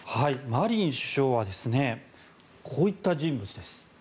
マリン首相はこういった人物です。